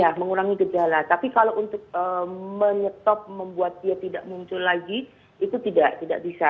ya mengurangi gejala tapi kalau untuk menyetop membuat dia tidak muncul lagi itu tidak bisa